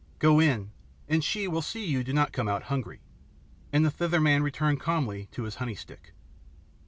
Go in and she will see you do not come out hungry," and the Thither man returned calmly to his honey stick.